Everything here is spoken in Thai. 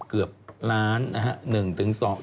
เกือบล้านหนึ่งถึงสอง